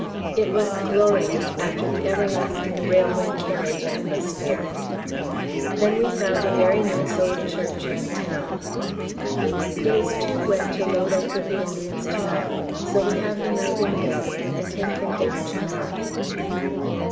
It was glorious after the everlasting railway carriage atmosphere. Then we found a very nice old church in the town. It is too wet to load up with the Indians to night, so we have the night in bed, and take them down to morrow.